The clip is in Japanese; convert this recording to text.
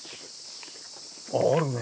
あっあるね。